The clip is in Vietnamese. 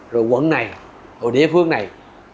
rồi quận này rồi địa phương này